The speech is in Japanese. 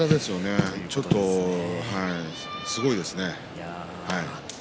これはちょっとすごいですね。